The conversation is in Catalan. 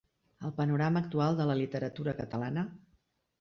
El panorama actual de la literatura catalana.